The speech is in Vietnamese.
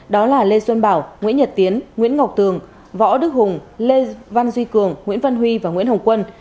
đó là lê xuân bảo nguyễn nhật tiến nguyễn ngọc tường võ đức hùng lê văn duy cường nguyễn văn huy và nguyễn hồng quân